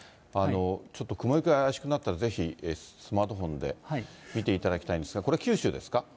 ちょっと雲行きが怪しくなったら、ぜひ、スマートフォンで見ていただきたいんですが、これ、九州ですか？